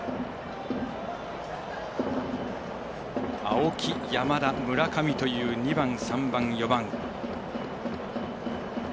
青木、山田、村上という２番、３番、４番。